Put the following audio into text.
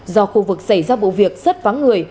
do khu vực xảy ra vụ việc rất vắng người